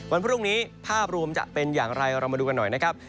วันพรุ่งนี้ภาพรวมจะเป็นอย่างไรเรามาดูกันหน่อยนะครับ